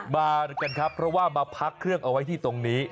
มากันครับเพราะว่ามาพักเครื่องเอาไว้ที่ตรงนี้